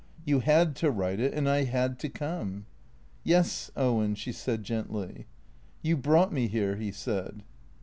You had to write it, and I had to come." " Yes, Owen," she said gently. " You brought me here," he said.